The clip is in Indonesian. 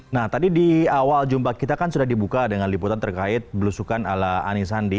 nah tadi di awal jumpa kita kan sudah dibuka dengan liputan terkait belusukan ala ani sandi